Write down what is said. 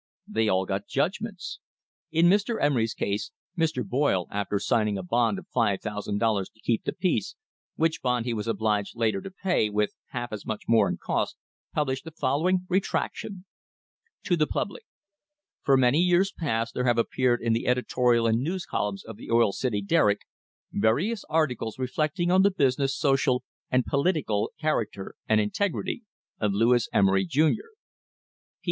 They all got judgments. In Mr. Emery's case, Mr. Boyle, after signing a bond of $5,000 to keep the peace which bond he was obliged later to pay, with half as much more in costs published the following retraction t TO THE PUBLIC For many years past there have appeared in the editorial and news columns of the Oil City Derrick various articles reflecting on the business, social and political character and integrity of Lewis Emery, Jr.